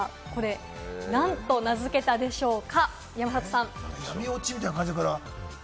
これ、なんと名付けたでしょうか？